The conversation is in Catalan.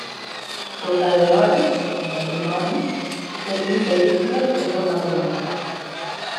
Des d'aleshores, el matrimoni produí pel·lícules de forma conjunta.